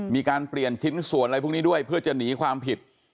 มีการเปลี่ยนชิ้นส่วนอะไรพวกนี้ด้วยเพื่อจะหนีความผิด